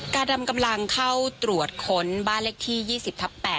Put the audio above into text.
การดำกำลังเข้าตรวจค้นบ้านเลขที่๒๐ทับ๘